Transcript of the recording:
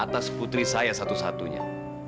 atas putri saya satu satunya